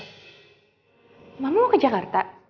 mama mau ke jakarta